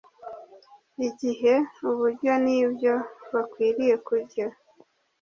igihe, uburyo n’ibyo bakwiriye kurya.